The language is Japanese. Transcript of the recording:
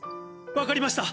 分かりました。